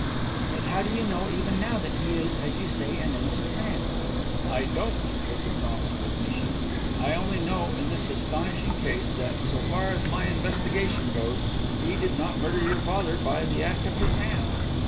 "Yet how do you know, even now, that he is, as you say, an innocent man?" "I don't," was the prompt admission. "I only know, in this astonishing case, that so far as my investigation goes, he did not murder your father by the act of his hand."